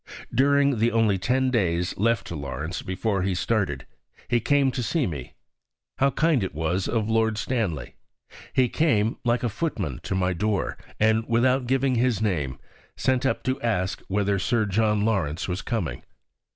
During the only ten days left to Lawrence before he started, he came to see me. How kind it was of Lord Stanley. He came like a footman to my door, and, without giving his name, sent up to ask whether Sir John Lawrence was coming.